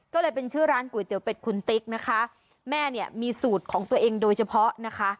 ก็เลยเป็นชื่อร้านก๋วยเตี๋เป็ดคุณติ๊กนะคะแม่เนี่ยมีสูตรของตัวเองโดยเฉพาะนะคะ